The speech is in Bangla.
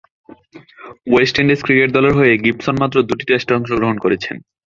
ওয়েস্ট ইন্ডিজ ক্রিকেট দলের হয়ে গিবসন মাত্র দু’টি টেস্টে অংশগ্রহণ করেছেন।